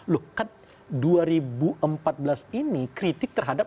loh kan dua ribu empat belas ini kritik terhadap